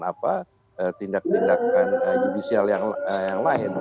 apa tindak tindakan judicial yang lain